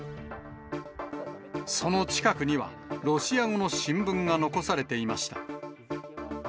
その近くには、ロシア語の新聞が残されていました。